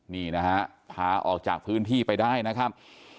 นี่นะฮะพาออกจากพื้นที่ไปได้นะครับ